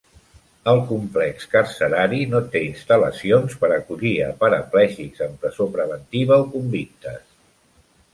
El complex carcerari no té instal·lacions per acollir a paraplègics en presó preventiva o convictes.